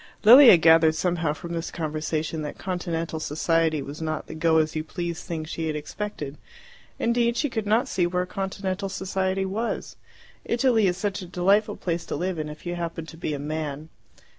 Lilia gathered somehow from this conversation that Continental society was not the go as you please thing she had expected. Indeed she could not see where Continental society was. Italy is such a delightful place to live in if you happen to be a man.